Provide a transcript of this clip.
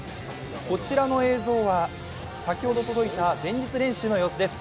こちらの映像は先ほど届いた前日練習の様子です。